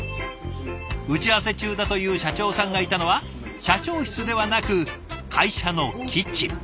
打ち合わせ中だという社長さんがいたのは社長室でなく会社のキッチン。